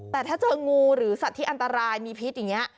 แต่ถ้าเจองูหรือสัตว์ที่อันตรายมีพิษอย่างนี้